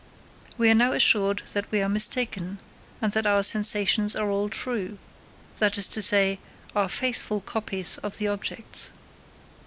We are now assured that we are mistaken, and that our sensations are all true that is to say, are faithful copies of the objects.